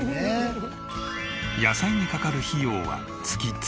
野菜にかかる費用は月０円。